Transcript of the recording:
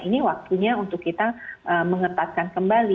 ini waktunya untuk kita mengetatkan kembali